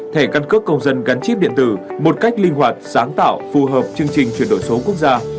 thẻ căn cước công dân gắn chip điện tử một cách linh hoạt sáng tạo phù hợp chương trình chuyển đổi số quốc gia